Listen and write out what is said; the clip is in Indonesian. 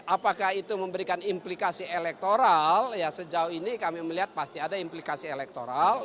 apakah itu memberikan implikasi elektoral sejauh ini kami melihat pasti ada implikasi elektoral